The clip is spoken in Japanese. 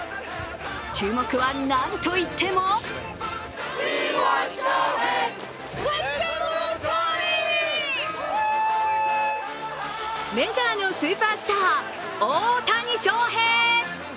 注目はなんといってもメジャーのスーパースター大谷翔平！